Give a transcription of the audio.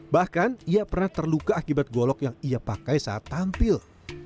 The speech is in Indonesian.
bahkan ia pernah terluka akibat golok yang ia pakai saat tampil